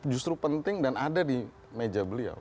justru penting dan ada di meja beliau